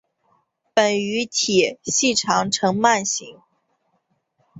本鱼体细长呈鳗形。